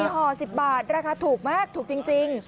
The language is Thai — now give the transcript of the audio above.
ห่อ๑๐บาทราคาถูกมากถูกจริง